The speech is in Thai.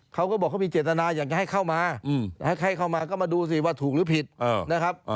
เขาก็บอกเขามีเจตนาอยากจะให้เข้ามาให้เข้ามาก็มาดูสิว่าถูกหรือผิดนะครับ